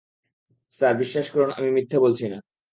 Sir, বিশ্বাস করুন, আমি মিথ্যা বলছি না।